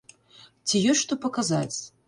Ці ёсць што паказаць?